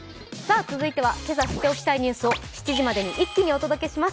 続いてはけさ知っておきたいニュースを７時まで一気にお届けします